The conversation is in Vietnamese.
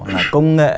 là công nghệ